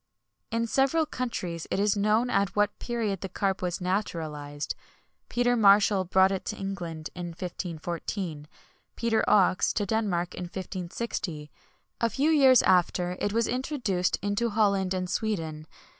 [XXI 139] In several countries it is known at what period the carp was naturalized. Peter Marshall brought it to England in 1514; Peter Oxe to Denmark in 1560. A few years after, it was introduced into Holland and Sweden.